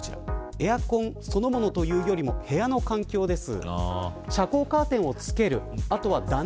エアコンそのものというよりも部屋の環境です。